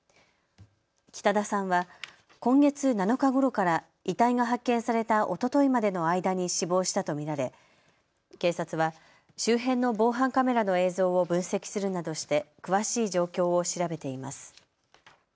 北田さんは今月７日ごろから遺体が発見されたおとといまでの間に死亡したと見られ警察は周辺の防犯カメラの映像を分析するなどして詳しい状況を調べています。